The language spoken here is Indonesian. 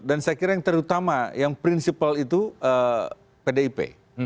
saya kira yang terutama yang prinsipal itu pdip